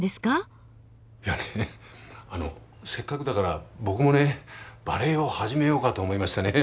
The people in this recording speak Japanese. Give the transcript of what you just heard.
いやねあのせっかくだから僕もねバレエを始めようかと思いましてね。